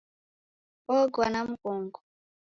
Ogwa na mghongo.